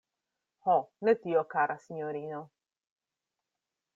Ho, ne tio, kara sinjorino!